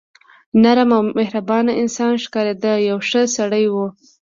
نرم او مهربان انسان ښکارېده، یو ښه سړی و.